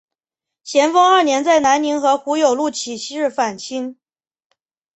咸丰二年在南宁和胡有禄起事反清。